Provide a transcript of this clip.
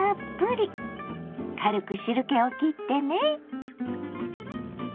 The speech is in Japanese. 軽く汁けをきってね。